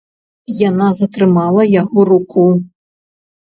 Яна затрымала яго руку.